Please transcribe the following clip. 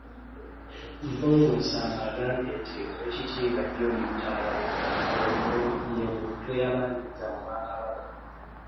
Mpuuga Nsamba agambye nti Oweekitiibwa Jolly Lutaaya ye muntu eyabaaniriza mu Bwakabaka